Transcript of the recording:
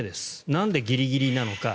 なんでギリギリなのか。